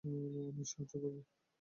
আমি সাহায্য করব?